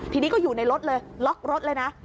ทีนี้ก็อยู่ในรถเลยล็อกรถเลยนะ